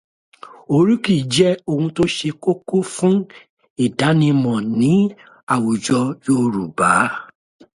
Oríkì jẹ́ ohun tó ṣe kókó fún ìdánimọ̀ ní àwùjọ Yorùbá.